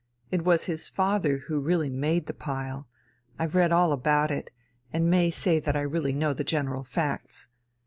It was his father who really made the pile, I've read all about it, and may say that I really know the general facts.